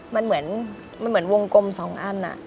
มันเหมือนมันเหมือนวงกลมสองอัน